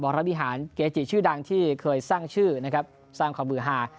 บรรณบิหารเกศจิชื่อดังที่เคยสร้างชื่อสร้างความบื่อหา